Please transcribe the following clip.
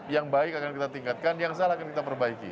yang baik akan kita tingkatkan yang salah akan kita perbaiki